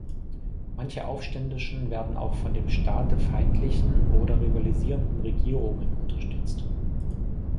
Manche Aufständischen werden auch von dem Staate feindlichen oder rivalisierenden Regierungen unterstützt.